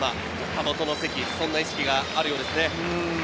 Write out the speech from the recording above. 岡本の席、そんな意識があるようですね。